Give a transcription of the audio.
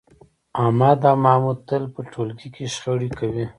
احمد او محمود تل په ټولگي کې شخړې کوي